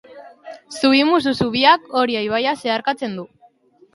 Zubimusu zubiak Oria ibaia zeharkatzen du.